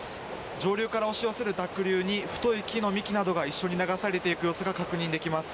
上流から押し寄せる濁流に太い木の幹などが一緒に流されていく様子が確認できます。